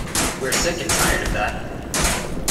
We're sick and tired of that.